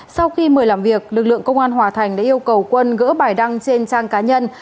sau khi mời làm việc lực lượng công an hòa thành đã yêu cầu quân gỡ bài đăng trên trang cá nhân